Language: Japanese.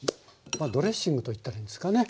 まあドレッシングと言ったらいいんですかね。